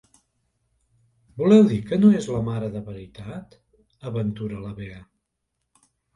Voleu dir que no és la mare de veritat? –aventura la Bea–.